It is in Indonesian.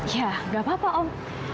ya tidak apa apa om